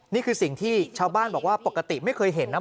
นี่คือสิ่งที่ชาวบ้านบอกว่าปกติไม่เคยเห็นนะ